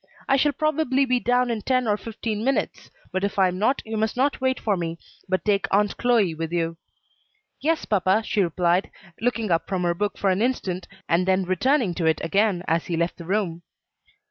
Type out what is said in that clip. I shall probably be down in ten or fifteen minutes; but if I am not, you must not wait for me, but take Aunt Chloe with you." "Yes, papa," she replied, looking up from her book for an instant, and then returning to it again as he left the room.